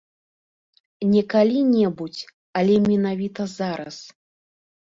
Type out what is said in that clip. Не калі-небудзь, але менавіта зараз.